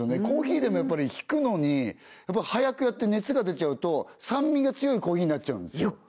コーヒーでもやっぱりひくのに早くやって熱が出ちゃうと酸味が強いコーヒーになっちゃうんですよ